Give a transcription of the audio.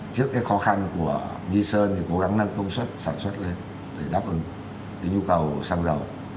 trước cái khó khăn của nghi sơn thì cố gắng nâng công suất sản xuất lên để đáp ứng cái nhu cầu xăng dầu